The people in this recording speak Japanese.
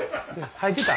入ってた？